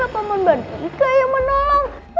paman badrika yang menolong